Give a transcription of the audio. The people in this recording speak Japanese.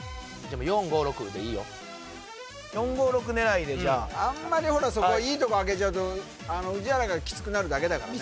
４５６でいいよ４５６狙いでじゃあんまりほらそこいいとこ開けちゃうと宇治原がキツくなるだけだからね